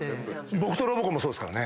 『僕とロボコ』もそうですからね。